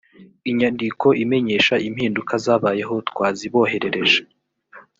inyandiko imenyesha impinduka zabayeho twaziboherereje